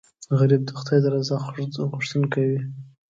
غریب د خدای د رضا غوښتونکی وي